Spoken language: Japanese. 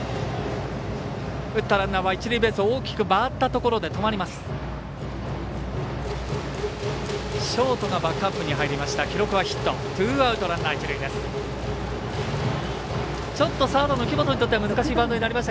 打ったランナーは一塁ベースを大きく回ったところで止まります。